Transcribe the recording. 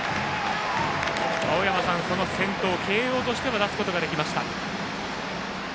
青山さん、先頭慶応としては出すことができました。